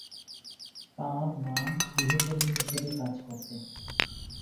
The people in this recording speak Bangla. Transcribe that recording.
তাঁর মা গৃহকর্মী হিসাবে কাজ করতেন।